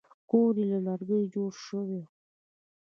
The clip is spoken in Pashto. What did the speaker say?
کور یې له لرګیو جوړ شوی و.